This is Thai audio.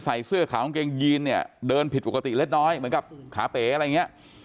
เสื้อขาวกางเกงยีนเนี่ยเดินผิดปกติเล็กน้อยเหมือนกับขาเป๋อะไรอย่างเงี้ย